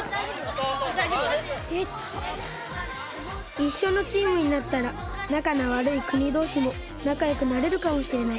いっしょのチームになったらなかのわるいくにどうしもなかよくなれるかもしれない。